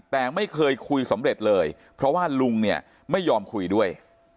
แต่ไม่เคยคุยสำเร็จเลยเพราะว่าลุงเนี่ยไม่ยอมคุยด้วย